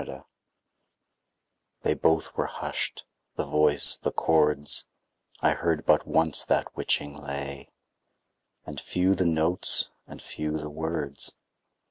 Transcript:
They both were husht, the voice, the chords, I heard but once that witching lay; And few the notes, and few the words.